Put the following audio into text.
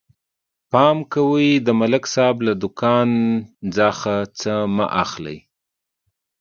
پام کوئ د ملک صاحب له دوکان نه څه مه اخلئ